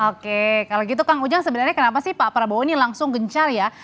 oke kalau gitu kang ujang sebenarnya kenapa sih pak prabowo ini langsung gencar ya